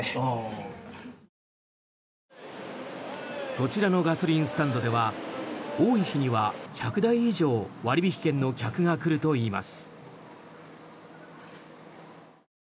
こちらのガソリンスタンドでは多い日には１００台以上割引券の客が来るといいます。